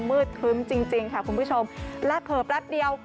ครึ้มจริงค่ะคุณผู้ชมและเผลอแป๊บเดียว